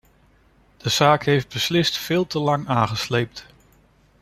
De zaak heeft beslist veel te lang aangesleept.